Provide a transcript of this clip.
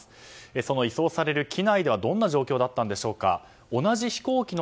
その移送される機内ではどんな状況だったんでしょうか。